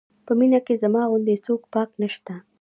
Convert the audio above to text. په مینه کې زما غوندې څوک پاک نه شته.